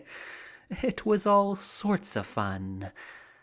It was all sorts of fun.